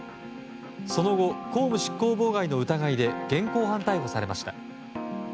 その後、公務執行妨害の疑いで現行犯逮捕されました。